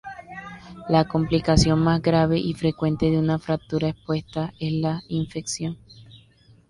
La complicación más grave y frecuente de una fractura expuesta es la infección.